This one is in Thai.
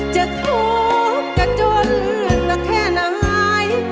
จะทุกข์กระจนตะแค่ไหน